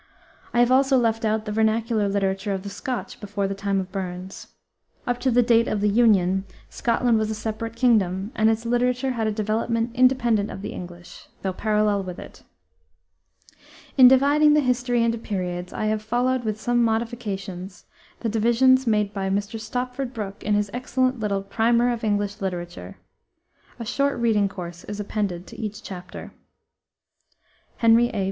I have also left out the vernacular literature of the Scotch before the time of Burns. Up to the date of the union Scotland was a separate kingdom, and its literature had a development independent of the English, though parallel with it. In dividing the history into periods, I have followed, with some modifications, the divisions made by Mr. Stopford Brooke in his excellent little Primer of English Literature. A short reading course is appended to each chapter. HENRY A.